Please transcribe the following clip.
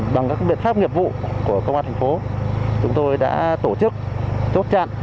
bằng các biện pháp nghiệp vụ của công an thành phố chúng tôi đã tổ chức chốt chặn